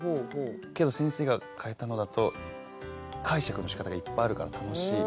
けど先生が変えたのだと解釈のしかたがいっぱいあるから楽しい。